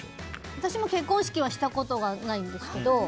私も結婚式をしたことがないんですけど。